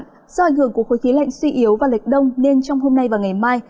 do ảnh hưởng của khối khí lạnh suy yếu và lệch đông nên trong hôm nay và ngày mai